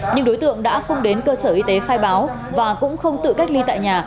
nhưng đối tượng đã không đến cơ sở y tế khai báo và cũng không tự cách ly tại nhà